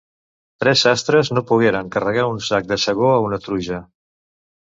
Tres sastres no pogueren carregar un sac de segó a una truja.